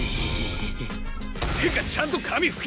っていうかちゃんと髪拭け！